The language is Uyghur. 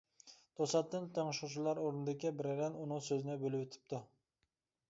توساتتىن تىڭشىغۇچىلار ئورنىدىكى بىرەيلەن ئۇنىڭ سۆزىنى بۆلۈۋېتىپتۇ.